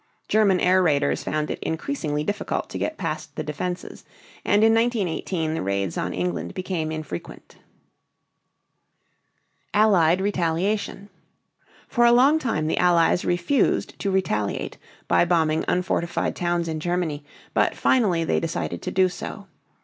German air raiders found it increasingly difficult to get past the defenses, and in 1918 the raids on England became infrequent. ALLIED RETALIATION. For a long time the Allies refused to retaliate by bombing unfortified towns in Germany, but finally they decided to do so.